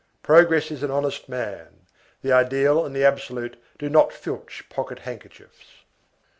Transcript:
Progress is an honest man; the ideal and the absolute do not filch pocket handkerchiefs.